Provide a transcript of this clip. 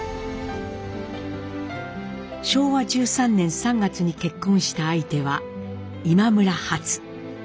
昭和１３年３月に結婚した相手は今村ハツ。